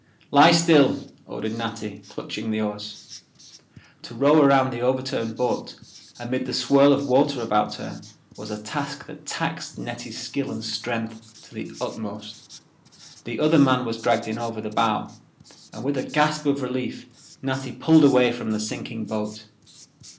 "Lie still," ordered Natty, clutching the oars. To row around the overturned boat, amid the swirl of water about her, was a task that taxed Netty's skill and strength to the utmost. The other man was dragged in over the bow, and with a gasp of relief Natty pulled away from the sinking boat.